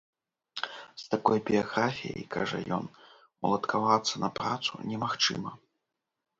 З такой біяграфіяй, кажа ён, уладкавацца на працу немагчыма.